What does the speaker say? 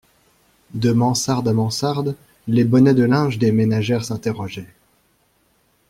De mansarde à mansarde, les bonnets de linge des ménagères s'interrogeaient.